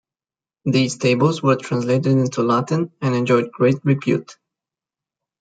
These tables were translated into Latin and enjoyed great repute.